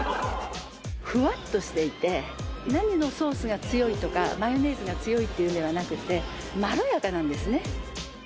フワッとしていて何のソースが強いとかマヨネーズが強いっていうんではなくてまろやかなんですね。